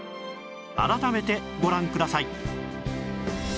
改めてご覧ください